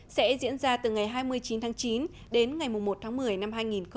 sẽ diễn ra từ ngày hai mươi chín tháng chín đến ngày một tháng một mươi năm hai nghìn một mươi chín